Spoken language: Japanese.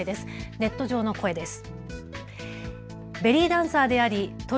ネット上の声です。